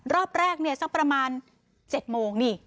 รอบแรกเนี่ยสักประมาณ๗โมงนี่